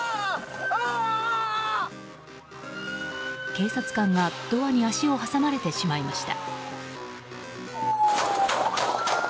警察官がドアに足を挟まれてしまいました。